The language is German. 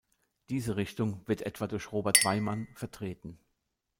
Diese Richtung wird etwa durch Robert Weimann vertreten.